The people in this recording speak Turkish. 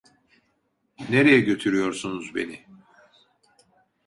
Nereye götürüyorsunuz beni?